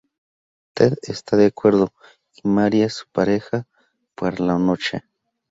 Ted está de acuerdo, y Mary es su pareja para la noche.